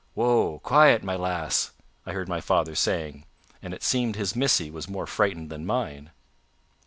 "Woa! Quiet, my lass!" I heard my father saying, and it seemed his Missy was more frightened than mine.